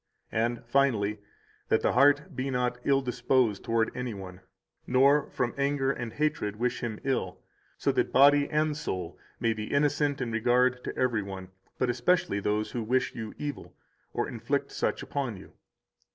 And finally, that the heart be not ill disposed toward any one, nor from anger and hatred wish him ill, so that body and soul may be innocent in regard to every one, but especially those who wish you evil or inflict such upon you.